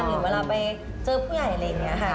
หรือเวลาไปเจอผู้ใหญ่อะไรอย่างนี้ค่ะ